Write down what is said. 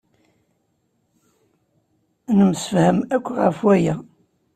Nemsefham akk ɣef waya.